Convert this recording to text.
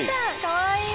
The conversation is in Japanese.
かわいい。